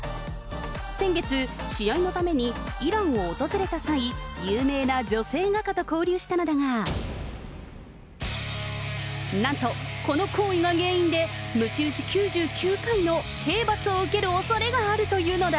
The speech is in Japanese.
先月、試合のためにイランを訪れた際、有名な女性画家と交流したのだが、なんとこの行為が原因で、むち打ち９９回の刑罰を受けるおそれがあるというのだ。